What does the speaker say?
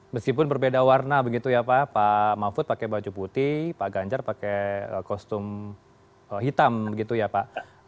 meskipun berbeda warna begitu ya pak pak mahfud pakai baju putih pak ganjar pakai kostum hitam begitu ya pak